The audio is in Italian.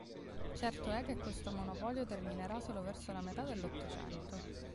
Certo è che questo monopolio terminerà solo verso la metà dell'Ottocento.